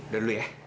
udah dulu ya